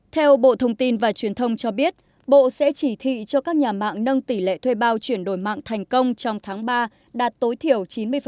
theo bộ thông tin và truyền thông cho biết bộ sẽ chỉ thị cho các nhà mạng nâng tỷ lệ thuê bao chuyển đổi mạng thành công trong tháng ba đạt tối thiểu chín mươi